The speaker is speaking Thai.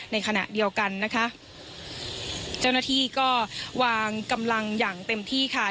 ในขณะเดียวกันนะคะเจ้าหน้าที่ก็วางกำลังอย่างเต็มที่ค่ะ